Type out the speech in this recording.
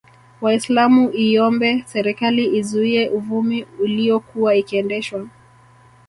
Waislamu iiombe serikali izuie uvumi uliyokuwa ikiendeshwa